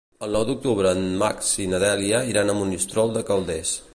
El nou d'octubre en Max i na Dèlia iran a Monistrol de Calders.